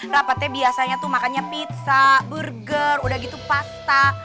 rapatnya biasanya tuh makannya pizza burger udah gitu pasta